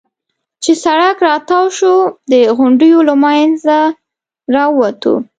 چې سړک را تاو شو، د غونډیو له منځه را ووتو.